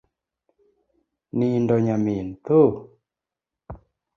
Nindo nyamin tho